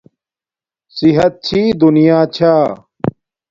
صحت چھی دونیا چھا